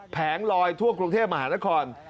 แงลอยทั่วกรุงเทพมหานคร